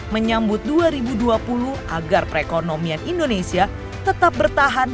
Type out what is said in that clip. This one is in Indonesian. menyambut dua ribu dua puluh agar perekonomian indonesia tetap bertahan